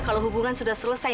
kalau hubungan sudah selesai